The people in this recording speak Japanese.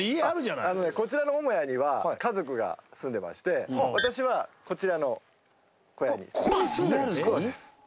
あのねこちらの母屋には家族が住んでまして私はこちらの小屋に。